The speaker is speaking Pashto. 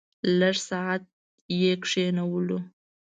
لږ ساعت یې کېنولو.